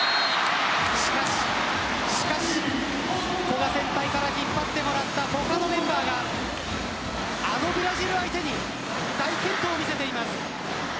しかし古賀先輩から引っ張ってもらった他のメンバーがあのブラジル相手に大健闘を見せています。